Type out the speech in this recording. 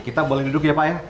kita boleh duduk ya pak ya